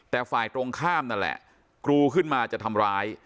แต่ฝ่ายตรงข้ามนั่นแหละกรูขึ้นมาจะทำร้าย